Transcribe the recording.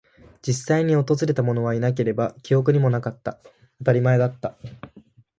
実際に訪れたものはいなければ、記憶にもなかった。当たり前だった。